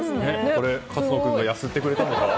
これ、勝野君がやすってくれたの？